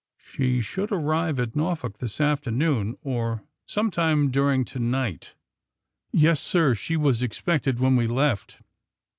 She should arrive at Norfolk this afternoon or some time during to night." ^'Yes, sir; she was expected when we left."